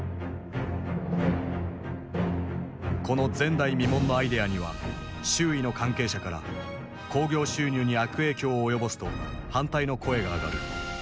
この前代未聞のアイデアには周囲の関係者から興行収入に悪影響を及ぼすと反対の声が上がる。